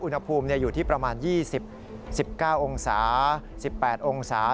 อุณหภูมิอยู่ที่ประมาณ๒๐๑๙องศา๑๘องศา